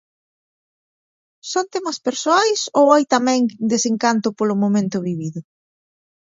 Son temas persoais ou hai tamén desencanto polo momento vivido?